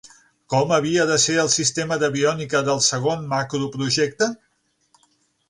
Com havia de ser el sistema d'aviònica del segon macroprojecte?